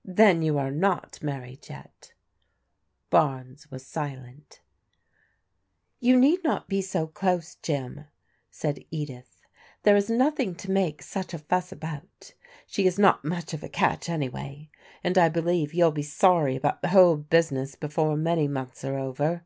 " Then you are not married yet? " Barnes was silent " You need not be so dose, Jim," said Edith. There is nothing to make such a fuss about. She is not much of a catch anyway, and I believe you'll be sorry about the whole business before many months are over.